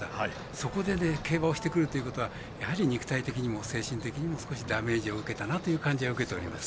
そこで競馬をしてくるということはやはり肉体的にも精神的にも少しダメージを受けたなという感じを受けております。